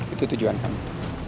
itu tujuan kami